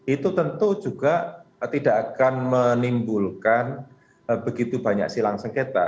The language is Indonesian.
itu tentu juga tidak akan menimbulkan begitu banyak silang sengketa